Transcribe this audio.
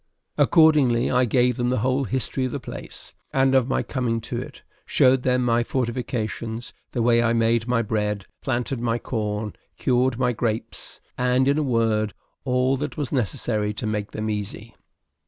Accordingly, I gave them the whole history of the place, and of my coming to it; showed them my fortifications, the way I made my bread, planted my corn, cured my grapes; and, in a word, all that was necessary to make them easy.